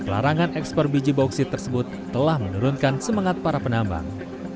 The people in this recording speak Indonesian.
larangan ekspor biji bauksit tersebut telah menurunkan semangat para penambang